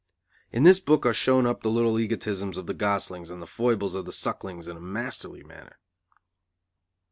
In this book are shown up the little egotisms of the goslings and the foibles of the sucklings in a masterly manner.